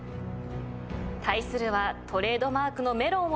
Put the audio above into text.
対するはトレードマークのメロンを脱ぎ捨て